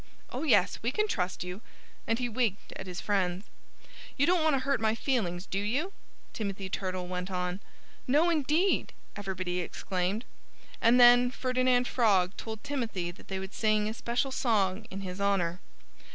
"Oh, yes! We can trust you!" And he winked at his friends. "You don't want to hurt my feelings, do you?" Timothy Turtle went on. "No, indeed!" everybody exclaimed. And then Ferdinand Frog told Timothy that they would sing a special song in his honor.